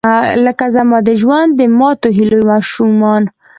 لکه زما د ژوند، د ماتوهیلو ماشومان